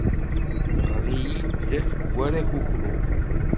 Ɣer-iyi-d war akukru.